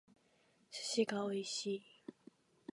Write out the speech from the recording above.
寿司が美味しい